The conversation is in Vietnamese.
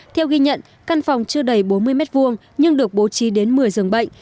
theo ghi nhận căn phòng chưa đầy bốn mươi m hai nhưng được bố trí đến một mươi giường bệnh